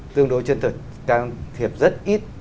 tương đối chân thực trang thiệp rất ít